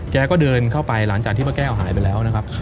แกก็เดินเข้าไปหลังจากที่ป้าแก้วหายไปแล้วนะครับ